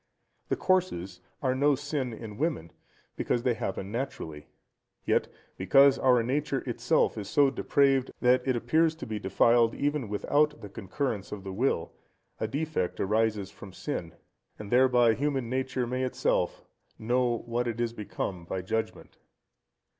The courses are no sin in women, because they happen naturally; yet, because our nature itself is so depraved, that it appears to be defiled even without the concurrence of the will, a defect arises from sin, and thereby human nature may itself know what it is become by judgement.